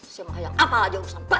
siapa mah yang apalah jauh sampai